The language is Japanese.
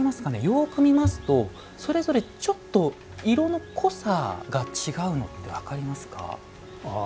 よく見ますと、それぞれちょっと色の濃さが違うのって分かりますか？